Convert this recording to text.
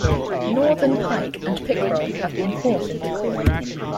Northern pike and pickerel have been caught in the creek.